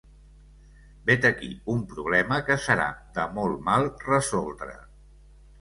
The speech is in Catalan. Vet aquí un problema que serà de molt mal resoldre.